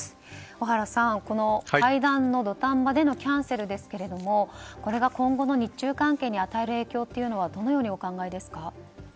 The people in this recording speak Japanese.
小原さん、この会談の土壇場でのキャンセルですがこれが今後の日中関係に与える影響についてどのようにお考えですか？